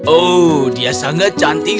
oh dia sangat cantik